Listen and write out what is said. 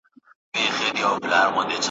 هم د پېغلوټو هم جینکیو `